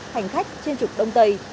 hành khách trên trục đông tây